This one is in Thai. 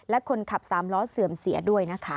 และคนขับสามล้อเสื่อมเสียด้วยนะคะ